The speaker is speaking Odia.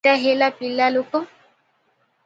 ଯେତେ ହେଲେ ସେଇଟା ହେଲା ପିଲାଲୋକ ।